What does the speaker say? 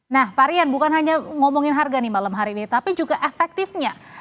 nah pak rian bukan hanya ngomongin harga nih malam hari ini tapi juga efektifnya